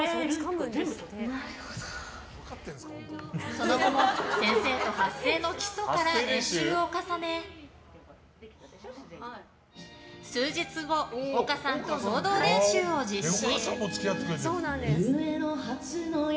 その後も先生と発声の基礎から練習を重ね数日後丘さんと合同練習を実施。